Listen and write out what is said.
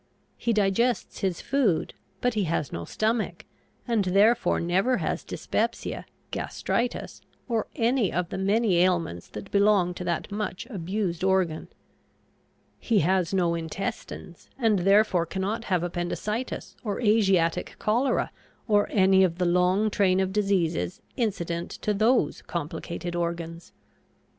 He digests his food, but he has no stomach, and therefore never has dyspepsia, gastritis, or any of the many ailments that belong to that much abused organ. He has no intestines, and therefore cannot have appendicitis or Asiatic cholera or any of the long train of diseases incident to those complicated organs.